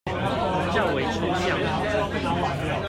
較為抽象